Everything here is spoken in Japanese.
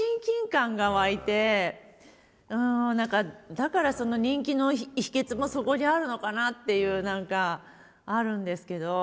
だから人気の秘けつもそこにあるのかなっていう何かあるんですけど。